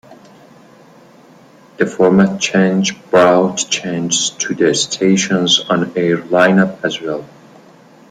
The format change brought changes to the station's on-air lineup as well.